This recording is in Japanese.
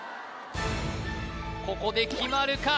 ここで決まるか？